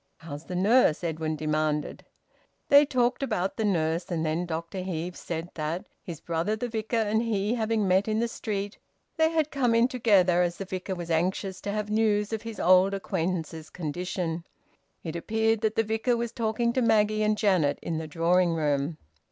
"How's the nurse?" Edwin demanded. They talked about the nurse, and then Dr Heve said that, his brother the Vicar and he having met in the street, they had come in together, as the Vicar was anxious to have news of his old acquaintance's condition. It appeared that the Vicar was talking to Maggie and Janet in the drawing room.